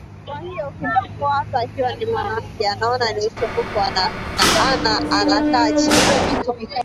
kwa hiyo ukimsumbua hasa akiwa ni mwanamke anaona ni usumbufu ana ana kaa chini